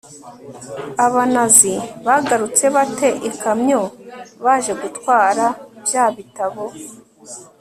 abanazi bagarutse ba te ikamyo baje gutwara bya bitabo